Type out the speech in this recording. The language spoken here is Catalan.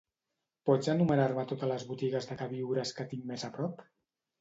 Pots enumerar-me totes les botigues de queviures que tinc més a prop?